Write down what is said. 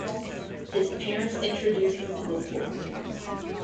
His parents introduced him to the sport.